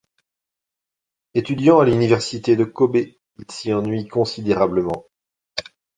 Étudiant à l'université de Kobe, il s'y ennuie considérablement.